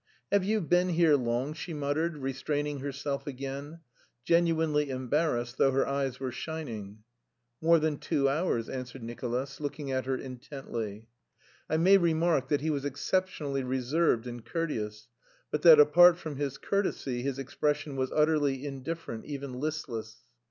"Have... you been here long?" she muttered, restraining herself again, genuinely embarrassed though her eyes were shining. "More than two hours," answered Nicolas, looking at her intently. I may remark that he was exceptionally reserved and courteous, but that apart from his courtesy his expression was utterly indifferent, even listless.